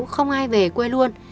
không ai về quê luôn